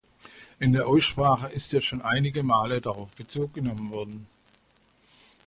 In der Aussprache ist ja schon einige Male darauf Bezug genommen worden.